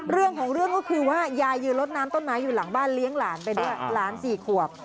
เรื่องของเรื่องก็คือว่ายายยืนลดน้ำต้นไม้อยู่หลังบ้านเลี้ยงหลานไปด้วยหลาน๔ขวบ